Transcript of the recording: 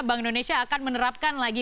bank indonesia akan menerapkan lagi